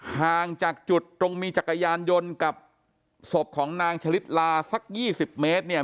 ห่างจากจุดตรงมีจักรยานยนต์กับศพของนางฉลิดลาสัก๒๐เมตรเนี่ย